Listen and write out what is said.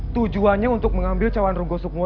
tujuannya untuk mengambil cawan rogo sukmo ini